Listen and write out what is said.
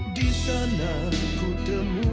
di sana ku temukan